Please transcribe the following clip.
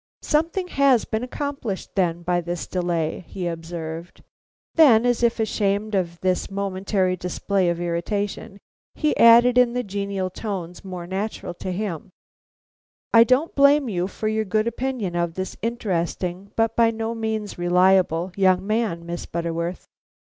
"Something has been accomplished, then, by this delay," he observed. Then, as if ashamed of this momentary display of irritation, he added in the genial tones more natural to him: "I don't blame you for your good opinion of this interesting, but by no means reliable, young man, Miss Butterworth.